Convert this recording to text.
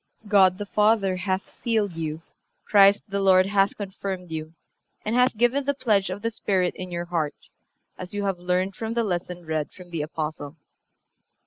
God the Father hath sealed you; Christ the Lord hath confirmed you, and hath given the pledge of the Spirit in your hearts, as you have learned from the lesson read from the Apostle."